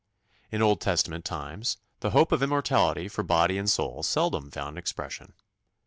In Old Testament times the hope of immortality for body and soul seldom found expression.